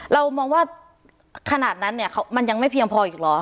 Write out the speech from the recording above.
เรามองว่าขนาดนั้นเนี่ยมันยังไม่เพียงพออีกเหรอ